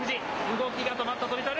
動きが止まった、翔猿。